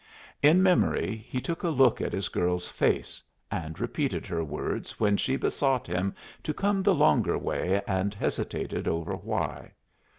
In memory he took a look at his girl's face, and repeated her words when she besought him to come the longer way and hesitated over why.